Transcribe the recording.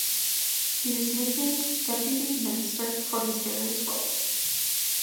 He was nicknamed "Deputy Minister" for his various roles.